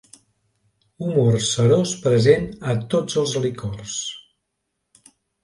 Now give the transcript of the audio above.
Humor serós present a tots els licors.